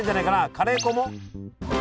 カレー粉も？